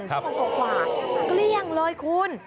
ชั่วโมงกว่าเกลี้ยงเลยคุณ